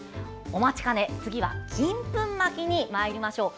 お待ちかね、次は金粉まきにまいりましょう。